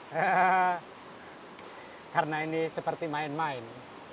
karena ini seperti main main